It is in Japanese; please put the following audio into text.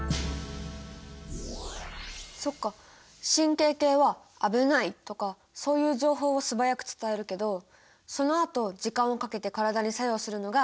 そっか神経系は「危ない」とかそういう情報を素早く伝えるけどそのあと時間をかけて体に作用するのが内分泌系なんだ。